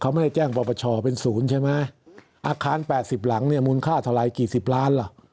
เขาไม่ได้แจ้งปรปชเป็นศูนย์ใช่ไหมอาคาร๘๐หลังเนี่ยมูลค่าเท่าไรกี่สิบล้านล่ะ